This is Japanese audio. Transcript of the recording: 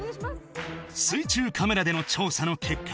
水中カメラでの調査の結果